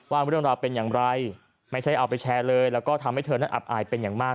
ว่าเรื่องราวเป็นอย่างไรไม่ใช่เอาไปแชร์เลยแล้วก็ทำให้เธอนั้นอับอายเป็นอย่างมาก